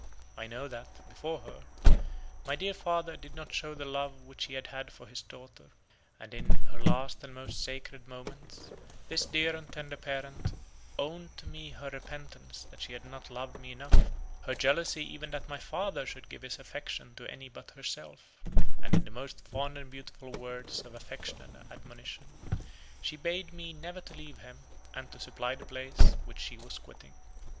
I know that, before her, my dear father did not show the love which he had for his daughter; and in her last and most sacred moments, this dear and tender parent owned to me her repentance that she had not loved me enough: her jealousy even that my father should give his affection to any but herself: and in the most fond and beautiful words of affection and admonition, she bade me never to leave him, and to supply the place which she was quitting.